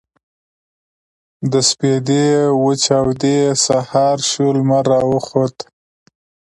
د سپـېدې وچـاودې سـهار شـو لمـر راوخـت.